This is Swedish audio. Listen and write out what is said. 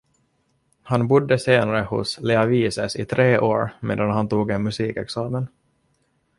Han bodde senare hos Leavises i tre år medan han tog en musikexamen.